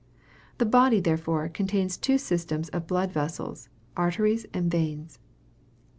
The body, therefore, contains two systems of blood vessels, arteries and veins.